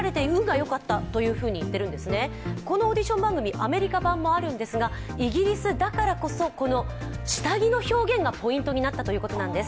このオーディション番組、アメリカ版もあるんですが、イギリスだからこそ、この下着の表現がポイントになったということなんです。